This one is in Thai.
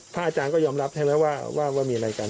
อาจารย์ก็ยอมรับใช่ไหมว่ามีอะไรกัน